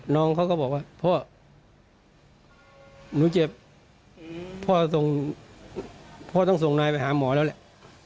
น้องเขาก็บอกว่าพ่อหนูเจ็บพ่อส่งพ่อต้องส่งนายไปหาหมอแล้วแหละ